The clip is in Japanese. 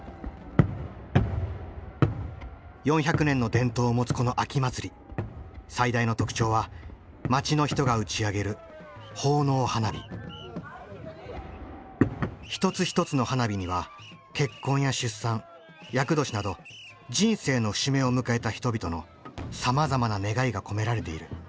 ４００年の伝統を持つこの秋祭り最大の特徴は町の人が打ち上げる一つ一つの花火には結婚や出産厄年など人生の節目を迎えた人々のさまざまな願いが込められている。